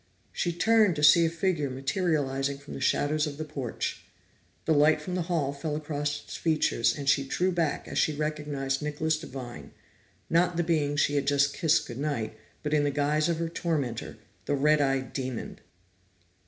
She turned to see a figure materializing from the shadows of the porch. The light from the hall fell across its features, and she drew back as she recognized Nicholas Devine not the being she had just kissed good night, but in the guise of her tormentor, the red eyed demon!